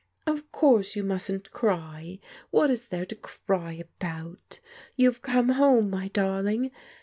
"Of course you mustn't cry; what is there to cry about ? You have come home, my darling.